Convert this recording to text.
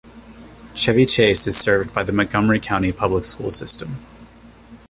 Chevy Chase is served by the Montgomery County Public School system.